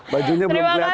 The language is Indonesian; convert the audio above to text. baju nya belum kelihatan